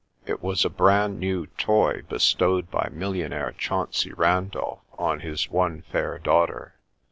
It was a brand new toy bestowed by millionaire Chauncey Randolph on his one fair daughter.